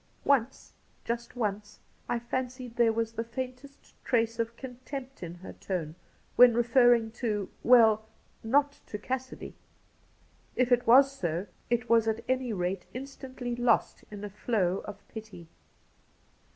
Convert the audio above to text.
Once— just once — I fancied there was the faintest trace of contempt in her tone when referring to — well, not to Cassidy. If it was so, it was at any rate instantly lost in a flow of pity.